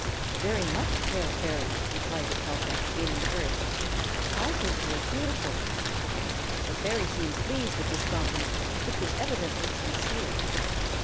"Very much, Herr Fairy," replied Etelka, gaining courage. "I think you are beautiful." The fairy seemed pleased at this compliment, which was evidently sincere.